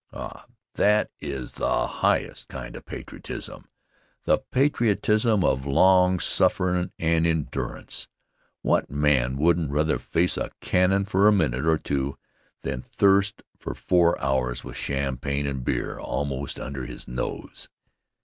Ah, that is the highest kind of patriotism, the patriotism of long sufferin' and endurance. What man wouldn't rather face a cannon for a minute or two than thirst for four hours, with champagne and beer almost under his nose?